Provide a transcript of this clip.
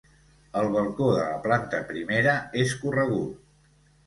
El balcó de la planta primera és corregut.